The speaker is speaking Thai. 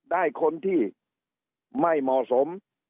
ได้คนที่ไม่เหมาะสม